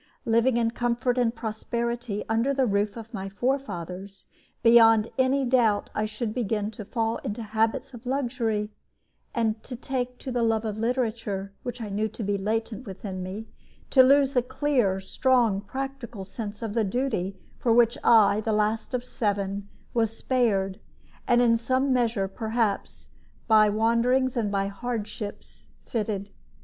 Living in comfort and prosperity under the roof of my forefathers, beyond any doubt I should begin to fall into habits of luxury, to take to the love of literature, which I knew to be latent within me, to lose the clear, strong, practical sense of the duty for which I, the last of seven, was spared, and in some measure, perhaps, by wanderings and by hardships, fitted.